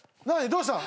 どうした？